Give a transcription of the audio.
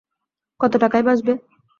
কতো টাকাই বা আসবে?